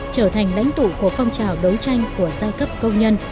trở thành lãnh tụ của phong trào đấu tranh của giai cấp công nhân